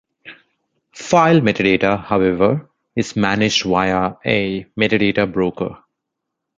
File metadata however, is managed via a "metadata broker".